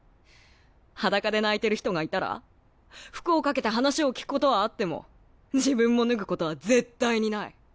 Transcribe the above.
裸で泣いてる人がいたら服を掛けて話を聞くことはあっても自分も脱ぐことは絶対にない。